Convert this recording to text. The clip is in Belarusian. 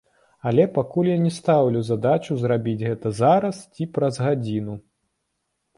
Але пакуль я не стаўлю задачу зрабіць гэта зараз ці праз гадзіну.